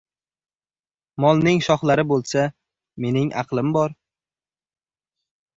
-Molning shoxlari bo‘lsa, mening aqlim bor!